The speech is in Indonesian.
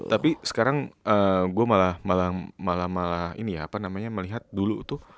tapi sekarang gue malah melihat dulu tuh